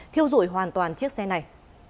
thiêu rụi hoàn toàn chiếc xe này